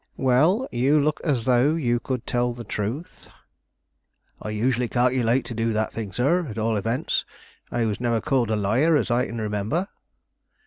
Well, you look as though you could tell the truth." "I usually calculate to do that thing, sir; at all events, I was never called a liar as I can remember."